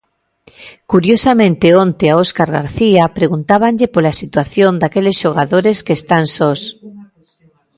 Curiosamente onte a Óscar García preguntábanlle pola situación daqueles xogadores que están sós.